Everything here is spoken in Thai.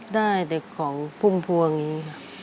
ได้แต่ของภูมิภูมิอย่างนี้